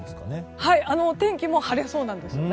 天気も晴れそうです。